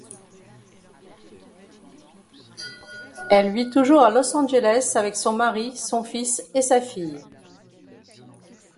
Elle vit toujours à Los Angeles avec son mari, son fils et sa fille.